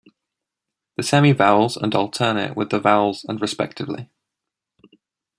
The semivowels and alternate with the vowels and respectively.